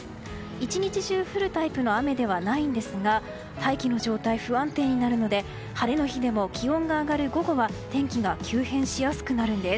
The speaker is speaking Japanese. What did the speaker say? １日中、降るタイプの雨ではないんですが大気の状態不安定になるため晴れの日でも気温が上がる午後は天気が急変しやすくなるんです。